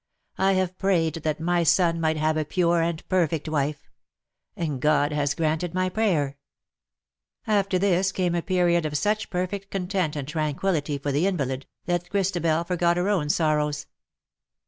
I have prayed that my son might have a pure and perfect wife : and God has granted my prayer .''' After this came a period of such perfect content and tranquillity for the invalid, that Christabel forgot her own sorrows.